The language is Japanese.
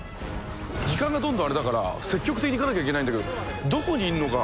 時間がどんどんあれだから積極的にいかなきゃいけないんだけどどこにいんのか。